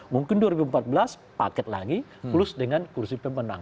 mungkin dua ribu empat belas paket lagi plus dengan kursi pemenang